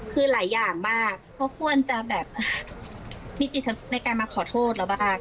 คือหลายอย่างมากเขาควรจะแบบมีจิตในการมาขอโทษเราบ้าง